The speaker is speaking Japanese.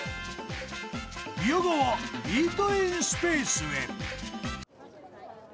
［宮川イートインスペースへ］